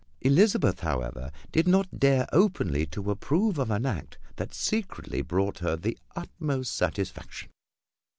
Elizabeth, however, did not dare openly to approve of an act that secretly brought her the utmost satisfaction.